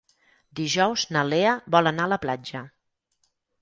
Dijous na Lea vol anar a la platja.